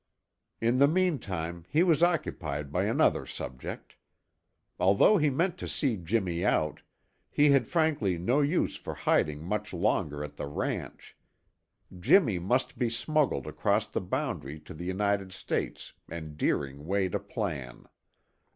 In the meantime, he was occupied by another subject. Although he meant to see Jimmy out, he had frankly no use for hiding much longer at the ranch. Jimmy must be smuggled across the boundary to the United States and Deering weighed a plan.